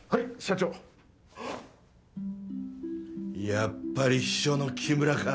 やっぱり秘書の木村か。